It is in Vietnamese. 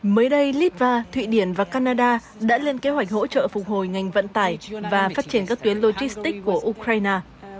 mới đây litva thụy điển và canada đã lên kế hoạch hỗ trợ phục hồi ngành vận tải và phát triển các tuyến logistics của ukraine